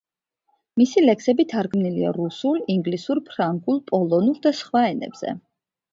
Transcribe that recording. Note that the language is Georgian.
მისი ლექსები თარგმნილია რუსულ, ინგლისურ, ფრანგულ, პოლონურ და სხვა ენებზე.